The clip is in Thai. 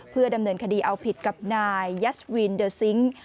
เพื่อดำเนินคดีเอาผิดกับนายยัสวินเดอร์ซิงค์